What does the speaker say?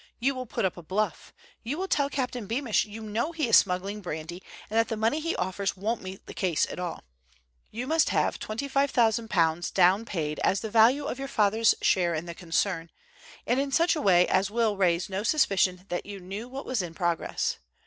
You will put up a bluff. You will tell Captain Beamish you know he is smuggling brandy, and that the money he offers won't meet the case at all. You must have £25,000 down paid as the value of your father's share in the concern, and in such a way as will raise no suspicion that you knew what was in progress.